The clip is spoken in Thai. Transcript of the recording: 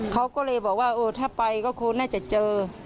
เขาก็เลยบอกว่าโอ้ถ้าไปก็คงน่าจะเจอ